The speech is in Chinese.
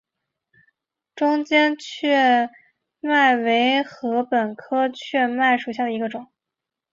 中间雀麦为禾本科雀麦属下的一个种。